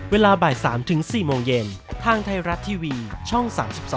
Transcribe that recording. เวลาบ่าย๓๔โมงเย็นทางไทยรัฐทีวีช่อง๓๒